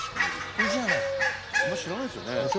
あんまり知らないですよね？